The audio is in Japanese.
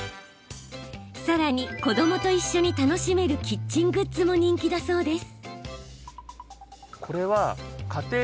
さらに、子どもと一緒に楽しめるキッチングッズも人気だそうです。